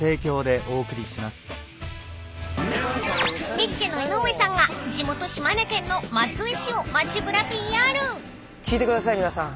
［ニッチェの江上さんが地元島根県の松江市を街ぶらＰＲ］聞いてください皆さん。